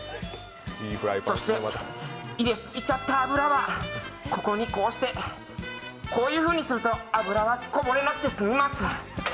そして、入れ過ぎちゃった油はここにこうしてこういうふうにすると油はこぼさなくて済みます。